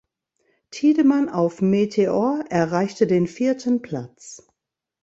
Thiedemann auf Meteor erreichte den vierten Platz.